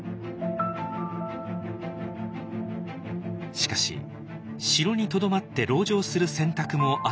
しかし城にとどまって籠城する選択もあったはずです。